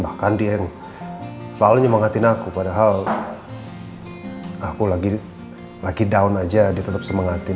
bahkan dia yang selalu nyemangatin aku padahal aku lagi down aja dia tetap semangatin